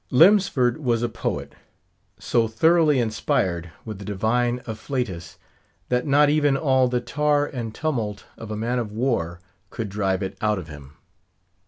Lemsford was a poet; so thoroughly inspired with the divine afflatus, that not even all the tar and tumult of a man of war could drive it out of him.